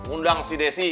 undang si desi